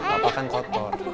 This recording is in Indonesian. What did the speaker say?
papa kan kotor